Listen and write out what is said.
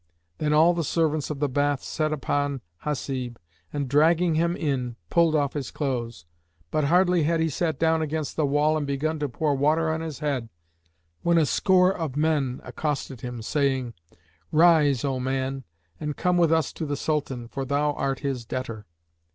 Then all the servants of the bath set upon Hasib and dragging him in pulled off his clothes. But hardly had he sat down against the wall and begun to pour water on his head when a score of men accosted him, saying, "Rise, O man, and come with us to the Sultan, for thou art his debtor."